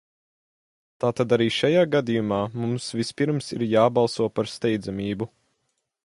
Tātad arī šajā gadījumā mums vispirms ir jābalso par steidzamību.